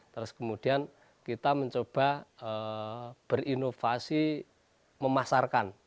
terus kemudian kita mencoba berinovasi memasarkan